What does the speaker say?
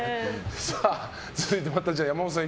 続いて、山本さん。